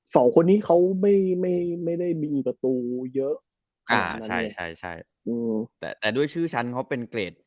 สองคนนี้เขาไม่ได้มีประตูเยอะใช่ใช่ใช่แต่ด้วยชื่อชั้นเขาเป็นเกรด